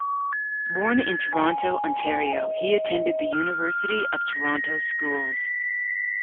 Born in Toronto, Ontario, he attended the University of Toronto Schools.